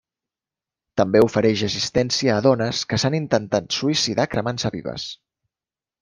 També ofereix assistència a dones que s’han intentat suïcidar cremant-se vives.